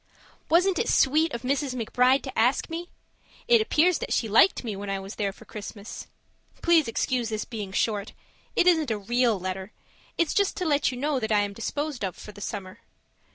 Wasn't it sweet of Mrs. McBride to ask me? It appears that she liked me when I was there for Christmas. Please excuse this being short. It isn't a real letter; it's just to let you know that I'm disposed of for the summer.